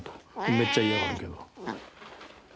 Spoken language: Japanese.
めっちゃ嫌がるけど。